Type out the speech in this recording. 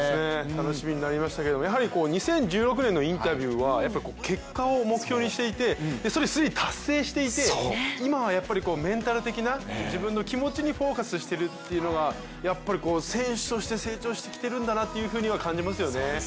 楽しみになりましたけどやはり２０１６年のインタビューは結果を目標にしていてそれを既に達成していて今はやっぱりメンタル的な自分の気持ちにフォーカスしているというのがやっぱり選手として成長してきてるんだなと感じますね。